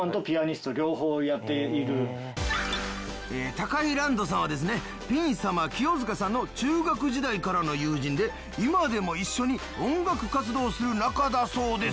高井羅人さんはですねピン様清塚さんの中学時代からの友人で今でも一緒に音楽活動をする仲だそうです。